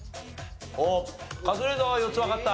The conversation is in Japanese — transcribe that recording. カズレーザーは４つわかった？